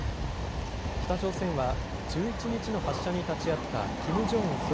北朝鮮は１１日の発射に立ち会ったキム・ジョンウン